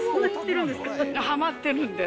はまってるんで。